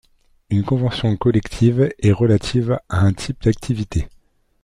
Une convention collective est relative à un type d’activité.